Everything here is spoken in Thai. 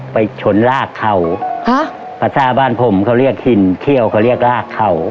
ไปชนลากเข่าฮะภาษาบ้านผมเขาเรียกหินเขี้ยวเขาเรียกลากเข่า